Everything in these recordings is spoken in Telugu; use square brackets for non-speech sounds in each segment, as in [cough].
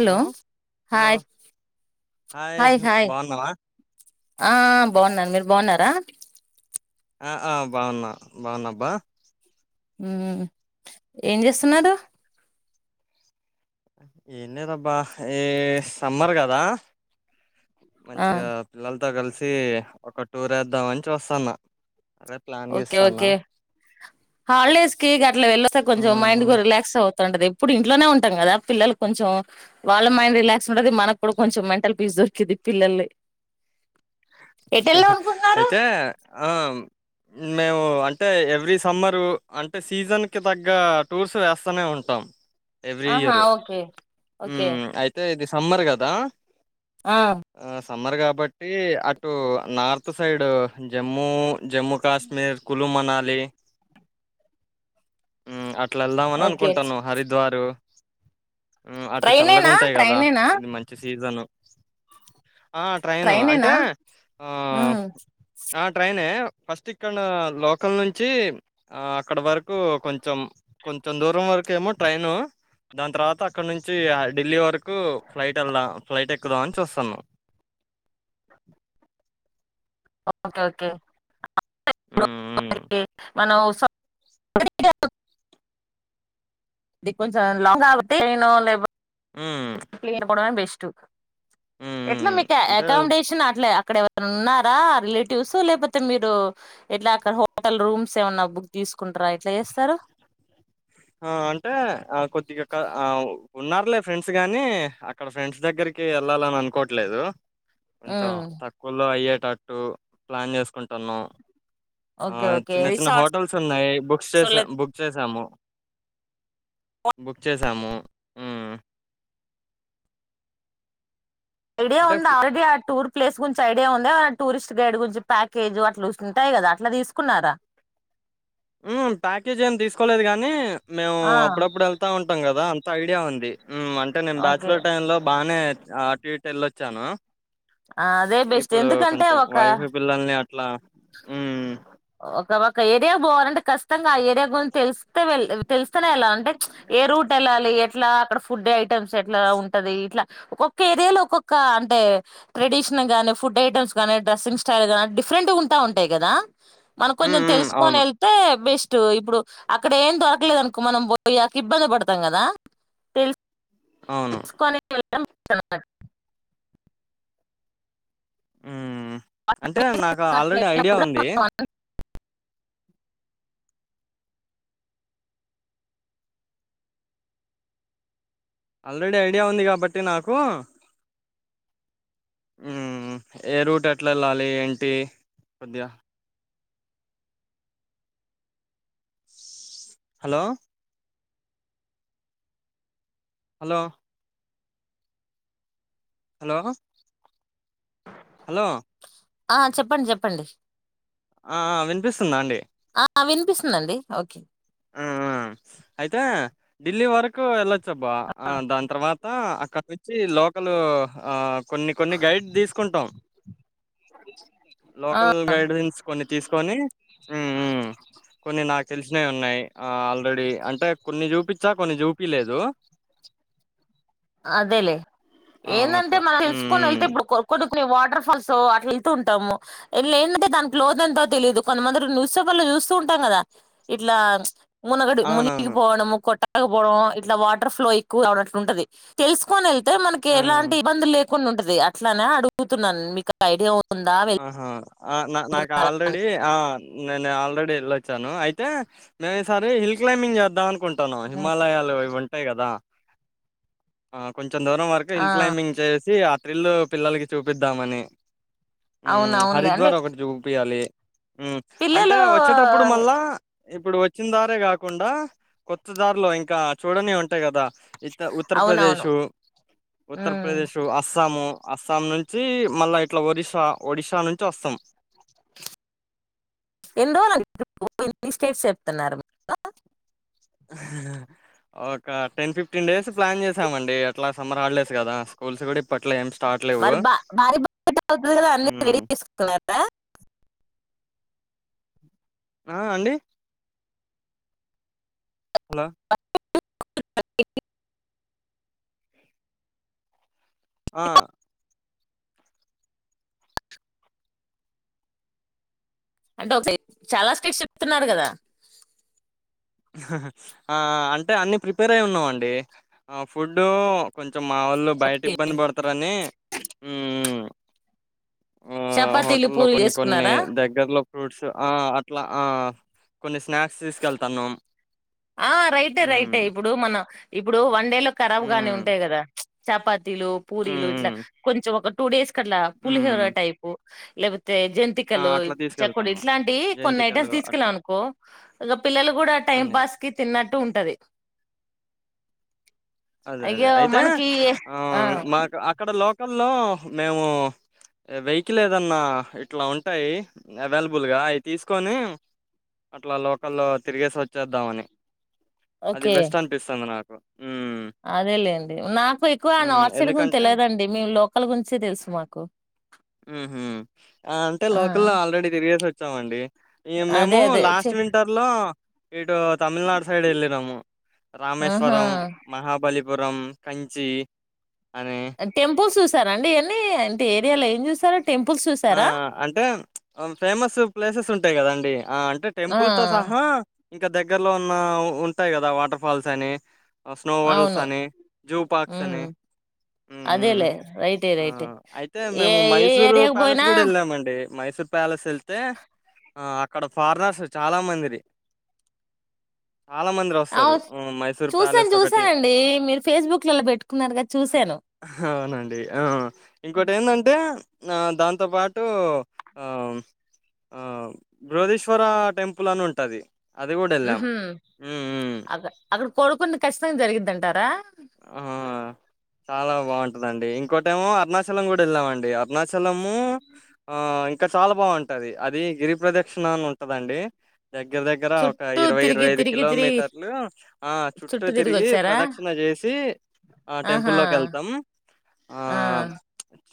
హలో హలో హాయ్ హాయ్ బాగున్నావా ఆ బాగున్నాను మీరు బాగున్నారా ఆ ఆ బాగున్నా బాగున్నాబ్బా ఉ ఏం చేస్తున్నారు ఏం లేదబ్బ ఈ సమ్మర్ కదా ఆ మంచిగా పిల్లల్ తో కలిసి ఒక టూర్ వేద్దామని చూస్తున్న ఓకే ఓకే హాలిడేస్ కి గట్ల వెల్లోతే కొంచెం మైండ్ ఉహు రిలాక్స్ అవతుంది టది ఎప్పుడు ఇంట్లోనే ఉంటాం కదా పిల్లలు కొంచం వాళ్ళ మైండ్ రిలాక్స్ ఉండది మనకు కూడా కొంచెం మెంటల్ పీస్ దొరికిది పిల్లల్ని ఎటెళ్దాం అనుకుంటున్నారు అయితే ఆ మేము అంటే ఎవ్రీ సమ్మరు అంటే సీజన్కి తగ్గ టూర్స్ వేస్తూనే ఉంటాం ఎవ్రీ ఆహా ఇయరు ఓకే ఓకే హుమ్ అయితే ఇది సమ్మర్ కదా ఆ ఆ సమ్మర్ కాబట్టి అటు నార్త్ సైడ్ జమ్మూ జమ్మూ కాశ్మీర్ కులు మనాలి అట్ అట్లేదమన ఓకే అనుకుంటున్నాం హరిద్వారు హుమ్ అటు చల్లగా ట్రైనేనా ఉంటాయి కదా ట్రైనేనా ఇది మంచి సీజను ఆ ట్రైను అంటే ఆహ్, హుమ్ ఆ ట్రైనే ఫస్ట్ ఇక్కడ లోకల్ నుంచి అక్కడ వరకు కొంచెం కొంచెం దూరం వరకు ఏమో ట్రైను దాని తర్వాత అక్కడ నుంచి ఢిల్లీ వరకు ఫ్లైట్ వెళదా ఫ్లైట్ ఎక్కుదాం ఆని చూస్తున్నాం ఒక్ ఓకే ఓకే హ్మ్. హ్మ్. స లే [unintelligible] హ్మ్. [unintelligible] [inaudible] స్ట్ హ్మ్. ఎట్లా హ్మ్. మీకు అంటే ఎకోమిడేషన్ అట్లే అక్కడ ఎవరైనా ఉన్నారా రిలేటివ్స్ లేకపోతే మీరు ఎట్లా అక్కడ హోటల్ రూమ్స్ ఏమన్నా బుక్ తీసుకుంటార ఎట్లా చేస్తారు ఆ అంటే ఆ కొద్దిగా ఆ ఉన్నారులే ఫ్రెండ్స్ గానీ అక్కడ ఫ్రెండ్స్ దగ్గరికి వెళ్ళాలని అనుకోవట్లేదు కొంచెం ఉమ్, తక్కువలో అయ్యేట్ టట్టు ప్లాన్ చేసుకుంటున్నాము ఆ ఓకే ఓకే చిన్న చిన్న రిసార్ట్స్ హోటల్స్ ఉన్నాయి బుక్స్ చేసా బుక్ చేసాము బుక్ చేసాము హుమ్ ఈడే అంటే ఉంద ఫు అవల్కియార్ టూర్ ప్లేస్ గురించి ఐడియా ఉందా టూరిస్ట్ గైడ్ గురించి ప్యాకేజు అట్లా ఉంటాయి గదా అట్లా తీసుకున్నార హుమ్ ప్యాకేజ్ ఏమి తీసుకోలేదు గానీ మేము ఆ అప్పుడప్పుడు ఎళ్తా ఉంటాం గదా ఐడియా ఉంది హ్మ్ అంటే నేను ఓకే బ్యాచులర్ టైంలో బానే ఆ అటు ఇటు ఎల్లోచ్చాను ఆ అదే బెస్ట్ ఎందుకంటే ఒక లా హ్మ్ ఒక ఒక ఏరియా పోవాలంటే ఖచ్తంగా ఆ ఏరియా గురించి తెలిస్తే వె తెలుస్తనే ఎలాల. అంటే ఏ రూట్ వెళ్ళాలి ఎట్లా అక్కడ ఫుడ్ ఐటెమ్స్ ఎట్లా ఉంటది. ఇట్లా ఒక్కొక్క ఏరియా లో ఒక్కొక్క అంటే ట్రెడిషన్ గానీ ఫుడ్ ఐటెమ్స్ గానీ డ్రెస్సింగ్ స్టైల్ గానీ డిఫరెంట్ గా ఉంటా ఉంటాయి కదా. మనం హ్మ్. కొంచెం హ్మ్. తెలుసుకొని అవును. వెళ్తే బెస్ట్ హ్మ్ ఇప్పుడు అక్కడ ఏం దొరకలేదు అనుకో మనం పోయి అక ఇబ్బంది పడతాం గదా తెలుసు అవును [unintelligible] హ్మ్ హ్మ్ అంటే నాకు ఆల్రెడీ ఐడియా ఉంది అన్నట్టు. ఆల్రెడీ ఐడియా ఉంది కాబట్టి నాకు హ్మ్ ఏ రూట్ ఎట్లా వెళ్ళాలి ఏంటి కొద్దిగా హలో హలో హలో హలో ఆ చెప్పండి చెప్పండి ఆ ఆ వినిపిస్తుందా అండి ఆ వినిపిస్తుందండి ఓకే ఆ ఆ అయితే ఢిల్లీ వరకు వెళ్ళా చెబ్బా ఆ దాని తర్వాత అక్కడ వచ్చి లోకల్ ఆ కొన్ని కొన్ని గైడ్ తీసుకుంటాం ఆ లోకల్ గైడెన్స్ కొన్ని తీసుకొని హ్మ్ హ్మ్ కొన్ని నా తెలిసినవి ఉన్నాయి ఆల్ రెడీ అంటే కొన్ని చూపి వచ్చా కొన్ని చూపిలేదు అదేలే ఆ ఏందంటే అట్లా మనం మ్మ్ తెలుసుకొని వెళ్తే మ్మ్ ఇప్పుడు కొ వాటర్ ఫాల్స్ సో అట్ వెళ్తూ ఉంటాము. ఇ ఏంటంటే దానికి లోతు ఎంతో తెలిదు. కొంతమంది న్యూస్ పేపర్ లో చూస్తూ ఉంటాం. కదా ఇట్లా మునగడు మునికి అవునవును పోవనము కొట్ట తకపోవడం ఇట్లా వాటర్ ఫ్లో ఎక్కువ అవటట్లు ఉంటది తెలుసుకొని వెళ్తే మనకి ఆ ఎలాంటి ఇబ్బందు లేకుండా ఉంటది అట్లానే అడుగుతున్నాను మీకు ఐడియా ఉ ఆహా ఆ నా నాకు ఆల్రెడీ ఆ నేను ఆల్రెడీ వెళ్ళొచ్చ వచ్చాను అయితే మేము ఈసారి హల్ కలంబి చేద్దాం అనుకుంటాం హిమాలయాలు ఇవ యి కదా కొంచం కొంచం దూరం వరకు ఆ హిల్ క్లైంబింగ్ చేసి ట్రిల్లు పిల్లలకి చూపిద్దామని అవును అవునులే అంటే హరిద్వార ఒకటి చూపిపియాలి అంటే పిల్లలు వచ్చేటప్పుడు మళ్ళా ఇప్పుడు వచ్చిన దారే కాకుండా కొత్త దారిలో ఇంకా చూడని ఉంటాయి కదా ఇత్త అవునవును ఉత్తరప్రదేశు ఉమ్ ఉత్తరప్రదేశ అస్సాము అస్సాం నుంచి మళ్ళా ఇట్లా ఒరిస్సా ఒడిషా నుంచి వస్తాం ఎన్ని రోజ్లేంది స్టేట్స్ చెప్తున్నారు ఒకకా టెన్ ఫఫ్టీన్డేస్ ప్న్ చేశామడి ఎట్లా సమ్మర్ ఆడలేదు కా స్కూల్స్ కూడా ఇప్పట్లా ఏ మరి బా వార బ అతుంది కదా అన్న మ్మ్ వెరిగి తీసుకుంటున్నా ఆ అండి అలా [inaudible] ఆ అంటే ఒక చాలా స్ట్రిక్స్ చెప్తున్నారు కదా అంటే అన్ని ప్రిపేర్ అయి ఉన్నాం అండి ఫుడ్ కొంచం కొంచం మా వాళ్ళు బయట ఓకే ఇబ్బంది పడతారని ఉ ఆ చపాతీలు హోటల్లో పూరీలు కొన్ని కొన్ని చేసుకున్నారా దగ్గరలో ఫ్రూట్స్ ఆ అట్లా ఆ కొన్ని స్నాక్స్ తీసుకెళ్తాన్నాం ఆ రైటే రైట ఇప్పుడు మన ఇప్పుడు వన్ ఎండేలో కఖరాబ్ గాని మ్మ్ ఉంటాయి కదా చప లు పూరీలు ఇట్ మ్మ్ కొంచెం ఒక టూడేస్ ఇక్కడలా మ్మ్ పులిహెరో మ్మ్ టైప్ లే అే ఆ జంతికలు అట్లా చెకుడు తీసుకెళ్తాను ఇట్లాంటివి కొన్ని జంతికలు ఐటమ్స్ అట్లా తీసుకెళ్ళంనుకో ఇక పిల్లలు కూడా టైం అన్నీ పాస్ అట్టు ఉంటది అదే అదే అయ్యో అయితే మనకి ఆ మా అక్కడ లో లోకల్లో మేము వెహికల్ ఏదన్నా ఇట్లా ఉంటాయి. అవైలబుల్గా అవి తీసుకొని అట్లా లోకల్లో తిరిగేసి వచ్చేద్దామని. అది వెస్ట్ అనిపిస్తుంది నాకు ఉహు అదే లేండి నాకు ఎక్కువ నాట్సైడ్ గురించి ఎందుకంటే తెలియదండి మ లోకల్ గురించే తెలుసు మాకు ఉహు అంటే ఆ లోకల్లో ఆల్రెడీ తిరిగేసి వచ్చామండి ఈ అదే మేము అదే చె లాస్ట్ వింటర్ లో ఇ తమిళనాడు సైడ్ ఎలినము ఆహా రామేశ్వరం మహా పురం కాంచి టెంపుల్స్ రా అండి ఇవన్నీ ఇంటి ఏరియాలో ఏం చూస్తార ఆ అంటే ఫేమస్ ప్లేసెస్ ఉంటాయి కదండి ఆ అంటే ఆ టెంపుల్ తో సహా ఇంకా దగ దగ్గరలో ఉన్న ఉంటాయి కదా వాటర్ ఫాల్స్ అని స్నోఫాల్స్ అవును అని జూ పార్క్స్ అని ఉమ్ హ్మ్ అదేలే రైటే ఆ రైటే అయితే ఏ మేము ఏ మైసూరు ఏరియాకు పాలస్ పోయినా గ కూడాడ ఎలామండి మైసూర్ ప్యాలెస్ వెళ్తే ఆ అక్కడ ఫారినర్స్ చాలా మందిది చాలా మంది వస్తారు అవు మైసూర్ ప్యాలెస్ చూసాను ఒకటి చూసానండి మీరు ఫేస్బుక్ లలో పెట్టుకున్నారుగా చూసాను అవునండి ఆ ఇంకోటి ఏంటంటే ఆ దాంతో పాటు బృహదీశ్వర టెంపుల్ అని ఉంటది అది గూడా ఎళ్ళాం. ఉహ్మ్ హ్మ్ హ్మ్ అక్క అక్కడ కోరుకున్న కచ్చితంగా జరిగిందంట అ ఆ చాలా బాగుంటా అండి ఇంకోట ఏమో అరుణాచలం కూడా వెళ్ళామండి. అరుణాచలము ఆ ఇంకా చాలా బాగుంటది. అది గిరి ప్రదక్షిణ అని ఉంటదండి. దగ్గర దగ్గర ఒక చుట్టూ ఇరవై ఇరవై తిరిగి ఐదు తిరిగి తిరిగి కిలోమీటర్లు ఆ చుట్టూ తిరిగి ప్రదక్షిణ చేసి ఆ ఆహా టెంపుల్ల్లోకి వెళ్తాం ఆ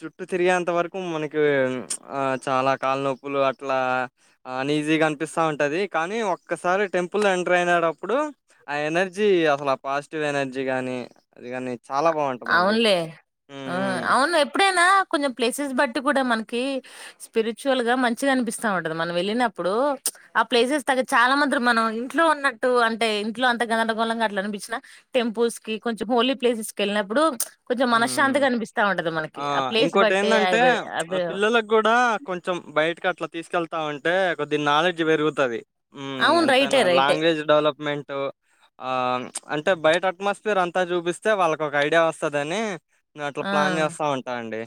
చుట్టూ తిరిగేంత వరకు మనకి ఆ చాలా కాళనొప్పులు అట్లాని ఈజీగా అనిపిస్తా ఉంటది. కానీ ఒక్కసారి టెంపుల్ ఎంటర్ అయినటప్పుడు ఆ ఎనర్జీ అసలు ఆ పాజిటివ్ ఎనర్జీ కాని. అది కాల్ అవునులే ఉమ్ అవును ఎప్పుడేనా కొంచెం ప్లేసెస్ బట్టి కూడా మనకి స్పిరిచువల్ గా మంచిగా అనిపిస్తా ఉంటద. మనం వెళ్ళినప్పుడు ఆ ప్లేసెస్ తగ్గ చాలా మంది మనం ఇంట్లో ఉన్నట్టు అంటే ఇంట్లో అంత గందరగోళంంగా అలా అనిపించిన టెంపుల్ కి కొంచెం హోలీ ప్లేసెస్ క వెళ్ళినప్పుడు ఆ ప్లేస్ ఇంకోటి బట్టే ఏంటంటే అవి అవి పిల్లలలకు కూడా కొంచెం బయట కట్ట అట్లా తీసుకెళ్తామంటే కొద్ది నాలెడ్జ్ పెరుగుతుంది ఉ అవును. రైటే ఎంతనా రైటే. లాంగ్వేజ్ డెవలప్మెంట్ ఆ అంటే బయట అట్మాస్ఫిర్ అంతా చూపిస్తే వాళ్ళకి ఒక ఐడియా వస్త వస్తుదనీ నేను అట్లా ప్లాన్ ఆ! చేస్తా ఉంటా అండి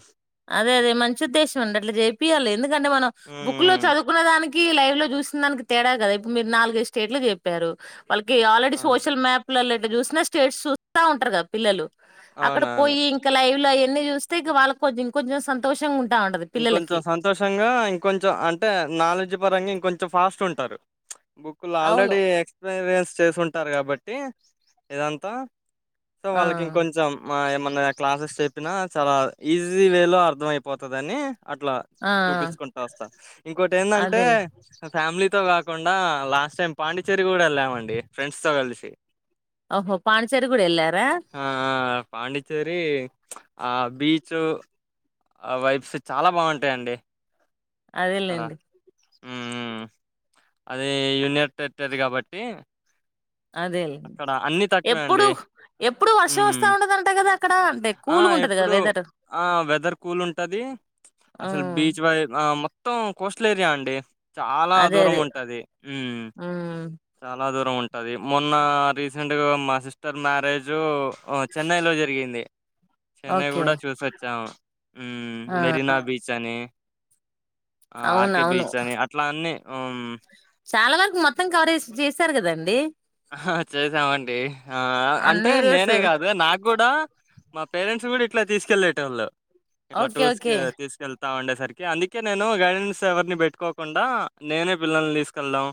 అదే అదే మంచి ఉద్దేశం అండి అట్లా చేపియాలి ఎందుకంటే మనం బుక్ లో హ్మ్. చదువుకున్న దానికి లైవ్ లో చూసిన దానికి తేడా కదా ఇప్పుడు మీరు నాలుగ ఐదు స్టేట్లు చెప్పారు మనకి ఆల్రెడీ హ్మ్. అవును. సోషల్ మ్యాప్ పిలలు ఇట్లా చూసిన స్టేట్స్ చూస్తా ఉంటారు కద పిల్లలు అక్కడ అవునవును. పోయి ఇంక లైవ్ ల అన్ని చూస్తే ఇక వాళ్ కొంచెం కొంచెం సంతోషంగా ఉం ఇంకొంచెం సంతోషంగా ఇంకొంచెం అంటే నాలెడ్జ్ పరంగా ఇంకొంచెం ఫాస్ట్ ఉంటారు బుక్లు అవును ఆల్రెడీ ఎక్స్పీరియన్స్ చేసింటారు కాబట్టి ఇదంతా సో ఆ వాళ్ళకి ఇంకొంచం మా ఏమన్నా క్లాసెస్ చెప్పినా చాలా ఈజీ వే లో అర్థం అయిపోతు వస్తుదని అట్లా ఆ చూపిచ్చుకుంట వస్తా ఇంకోటి ఎందంటే అదేలే ఫ్యామిలీ తో కాకుండా లాస్ట్ టైం పాండిచ్చేరి కూడా వెళ్ళామండి ఫ్రెండ్స్ తో కలిసి ఓహో పాండిచ్చేరి గుడ ఎల్లార ఆ పాండిచ్చేరి ఆ బీచ్ ఆ వైబ్స్ చాలా బాగుంటాయిండి అదే లేండి అది యూనియన్ టెరిటరీ కాబట్టి అదేండి అక్కడ అన్ని తక్కువే ఎప్పుడు అండి ఎప్పుడు వర్షం వస్తా మ్మ్ ఉంటది ఆట కదా అక్కడ అంటే ఆ కూల్గా ఎప్పుడు వెదర్ ఆ వెదర్ కూల్ ఉంటది అసలు బీచ్ వై ఆ మొత్తం కోస్టల్ ఏరియా అండి చాలా అదే దూరం అదే ఉంటది ఉమ్. చాలా దూరం ఉంటుంది మొన్న రీసెంట్గా మా సిస్టర్ మ్యారేజు చెన్నై లో జరిగింది చెన్నై ఓకే కూడా చూసి వొచ్చాము ఆ మెరినా బీచ్ అని ఆ అవును ఆర్కే అవును బీచ్ అని అట్లా అన్ని హమ్ చాలా వరకు మొత్తం కవర్ చేశారు కదండి చేసామండి ఆ అంటే అన్ని నేనే రేసు కాదు నాకు కూడా మా పేరెంట్స్ కూడా ఇట్లా తీసుకెళ్ళలేటోళ్ంలో ఇట్లా ఓకే టూర్స్ ఓకే తీసుకెళ్ స్తా ఉండేసరికి అందుకే నేను గైడెన్స్ ఎవరిని పెట్టుకోకుండా నేనే పిల్లల్ని తీసుకెళ్దాం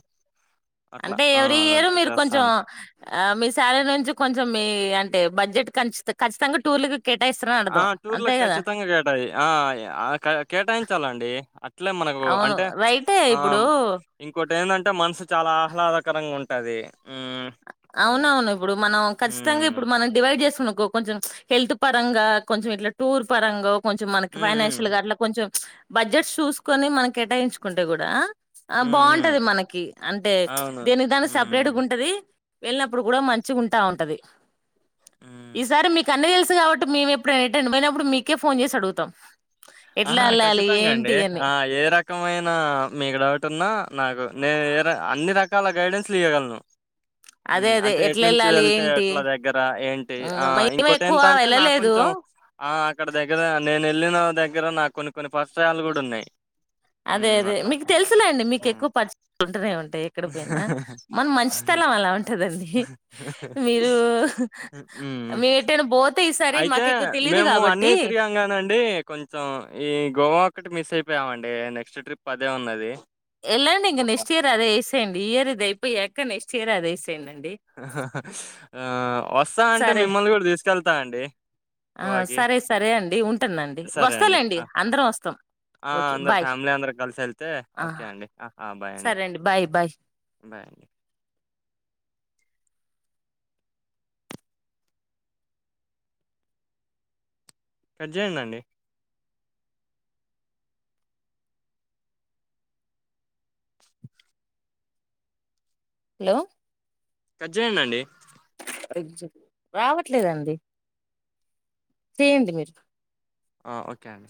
అట్లా అంటే ఆ ఎవ్రీ అదే ఇయర్ మీరు కొంచెం మీ శాలరీ నుంచి కొంచెం మీ అంటే బడ్జెట్ చ్చిత ఖచ్చితంగా టూర్ల ఆ టూర్లో ఖచ్చితంగా కేటాయి ఆ కేటాయించాలండి అట్లే మనకు అవును అంటే రైటే ఆ ఇప్పుడు ఇంకోటి ఏంటంటే మనసు చాలా ఆహ్లాదకరంగా ఉంటు అది అవున అవును ఇప్పుడు మనం ఖచ్చితంగా హ్మ్. ఇప్పుడు మనం డివైడ్ చేసుకున్న కొంచెం హెల్త్ పరంగా కొంచెం ఇట్లా టూర్ పరంగా కొంచెం హ్మ్. మనకి ఫైనాన్షియల్ హ్మ్. అట్ కొెం బడ్జెట్స్ చూసుకొని మనం కేటాయించుకుంటే కూడా ఆ హ్మ్. హ్మ్. బాగుంటది మనకి అంటే అవును. దేనికి దాన్ని సపరేట్గా హ్మ్. ఉంటది వెళ్ళినప్పుడు కూడా మంచి ఉంటా ఉంటది హ్మ్. ఈసారి మీ కన్న వెల్సి కాబట్టి మేము ఎప్పుడుటండ్ పోయినప్పుడు మీకే ఫోన్ చేసి అడుగుతాం ఆ ఎట్లా ఎళ్ళాలి? ఖచ్చితంగా అండి ఏంటి? అని. ఆ ఏ రకమైైన మీకు డౌట్ ఉన్నా నాకు నేను ఏ అన్ని రక ఇల గైడెన్స్ ఇయగలను అదే. అదే. అంటే ఎటు నుంచి ఎట్లెళ్ళాలి? వెళ్తే ఏంటి? అట్లా దగ్గర ఏంటి ఆ హ్మ్. మేమే ఇంకోొటి ఎక్కువ ఏంతంటే నాకు వెళ్ళలేదు. కొంచెం ఆ అక్కడ దగ్గర నేను వెళ్ళిన దగ్గర నాకు కొన్ని కొన్ని పస్తయాలు కూడా ఉన్నాయి అదే హ్మ్. అదే అట్లా. మీకు తెలుసులే అండి మీకు ఎక్కువ పర్చుంటూనే ఉంటాయి ఎక్కడ పోయినా మన అ మంచితనం అలా ఉంటదండి మీరు మేము ఎటైనా పోతే ఈసారి అయితే మాకు ఎక్కువ తెలియదు మేము అన్నీ కాబట్టి తిరిగాంగానండి కొంచెం ఈ గోవా ఒకటి మిస్ అయిపోయామండి నెక్స్ట్ ట్రిప్ అదే ఉన్నది ఎలాండి ఇం గోవా. నెక్స్ట్ ఇయర్ అదే చెండియరుద ఇ ఏక ఇ సే అదే వేసేయండి అండి ఆ వస్తా అంటే సరే మిమ్మల్ని కూడా తీసుకెళ్తా అండి ఆ గోవాకి సరే సరే అండి ఉంటుందండి సరే అండి వస్తాలేండి అందరం వస్తాం ఓకే అందరుూ బాయ్ ఫ్యామిలీ అందరు కలిసి వెళ్తే ఆ ఓకే అండి బాయ్ అండి సరే బాయ్ బాయ్ బాయ్ అండి పెద్దేయండిండి హలోలో కట్జేయ అండి రావట్లేదండి చేయండి మీరు ఆ ఓకే అండి